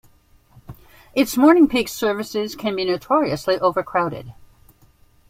Its morning peak services can be notoriously overcrowded.